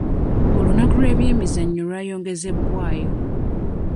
Olunaku lw'ebyemizannyo lwayongezebwayo.